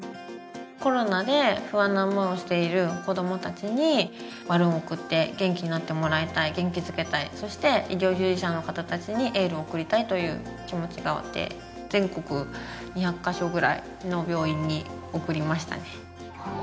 コロナで不安な思いをしている子供達にバルーンを贈って元気になってもらいたい元気づけたいそして医療従事者の方達にエールを送りたいという気持ちがあって全国２００か所ぐらいの病院に贈りましたね